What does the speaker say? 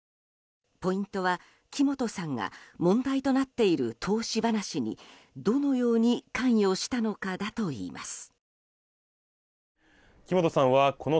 ポイントは木本さんが問題となっている投資話にどのように関与したのかだといいます。